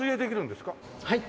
はい。